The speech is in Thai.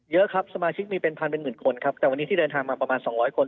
เยอะครับสมาชิกมีเป็นพันเป็นหมื่นคนครับแต่วันนี้ที่เดินทางมาประมาณ๒๐๐คน